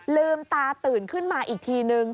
ลืมตาตื่นขึ้นมาอีกทีนึง